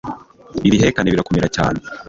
ibihekane birakomera cyane